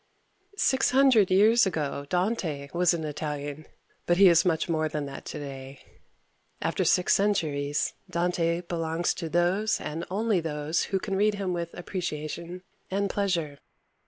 Six hundred years ago Dante was an Italian, but he is much more than that today. After six centuries Dante belongs to all those and only those who can read him with appreciation and pleasure.